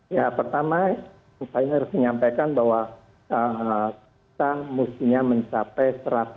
ya pertama saya harus menyampaikan bahwa kita mestinya mencapai satu ratus lima puluh